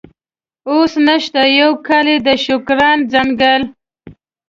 اوس نشته، یو کال یې د شوکران ځنګل.